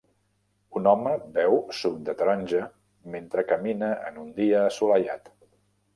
Un home beu suc de taronja mentre camina en un dia assolellat.